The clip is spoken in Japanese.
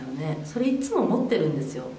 それいっつも持ってるんですよ。